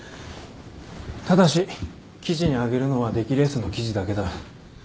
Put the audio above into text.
ただし記事に上げるのは出来レースの記事だけだ。